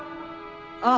ああ